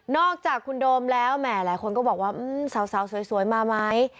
อกจากคุณโดมแล้วแหมหลายคนก็บอกว่าสาวสวยมาไหม